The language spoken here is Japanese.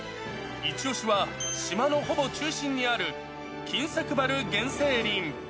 一押しは、島のほぼ中心にある金作原原生林。